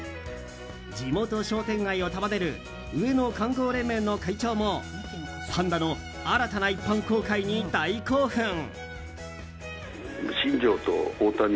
地元商店街を束ねる上野観光連盟の会長もパンダの新たな一般公開に大興奮。